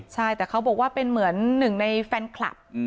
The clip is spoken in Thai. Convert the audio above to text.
ใช่แต่เขาบอกว่าเป็นเหมือนหนึ่งในแฟนคลับ